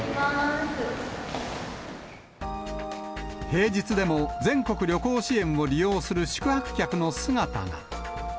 平日でも全国旅行支援を利用する宿泊客の姿が。